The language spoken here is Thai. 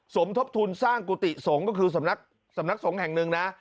สมทบทุนสร้างกุฏิสงฆ์ก็คือสำนักสำนักสงฆ์แห่งหนึ่งนะ